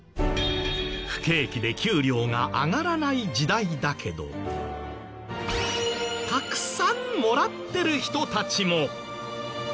不景気で給料が上がらない時代だけどたくさんもらってる人たちも！